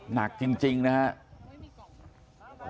หนักจริงนะฮะ